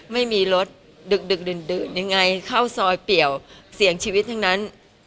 ไม่มีรถดึกดื่นยังไงเข้าซอยเปลี่ยวเสี่ยงชีวิตทั้งนั้น